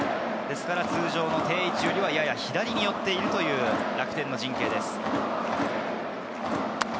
通常の定位置よりは、やや左に寄っている楽天の陣形です。